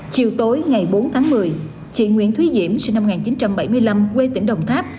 chiều tối ngày bốn tháng một mươi chị nguyễn thúy diễm sinh năm một nghìn chín trăm bảy mươi năm quê tỉnh đồng tháp